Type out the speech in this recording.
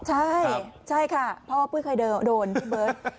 ใช่ใช่ค่ะเพราะว่าปุ้ยเคยโดนพี่เบิร์ต